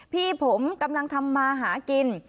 พี่ผมกำลังทำมาหากิน